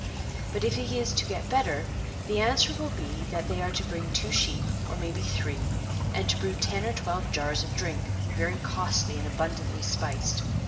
But if he is to get better the answer will be that they are to bring two sheep, or may be three ; and to brew ten or twelve jars of drink, very costly and abundantly spiced.